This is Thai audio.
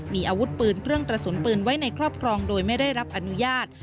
มีอาวุธปืนเครื่องกระสุนปืนไว้ในครอบครองโดยไม่ได้รับอนุญาต